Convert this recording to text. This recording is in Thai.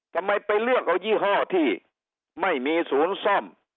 ไปเลือกเอายี่ห้อที่ไม่มีศูนย์ซ่อม